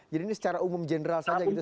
jadi ini secara umum general saja gitu stat